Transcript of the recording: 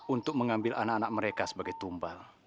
untuk mengambil anak anak mereka sebagai tumbang